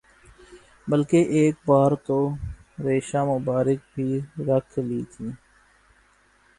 بلکہ ایک بار تو ریشہ مبارک بھی رکھ لی تھی